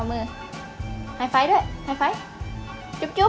ไฟไฟด้วยไฟไฟจุ๊บจุ๊บ